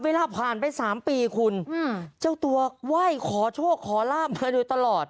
เวลาผ่านไป๓ปีคุณเจ้าตัวไหว้ขอโชคขอลาบมาโดยตลอด